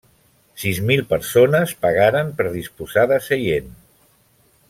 Sis mil persones pagaren per disposar de seient.